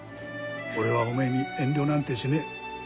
俺はおめに遠慮なんてしねえ。